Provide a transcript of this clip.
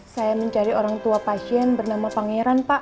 saya mencari orang tua pasien bernama pangeran pak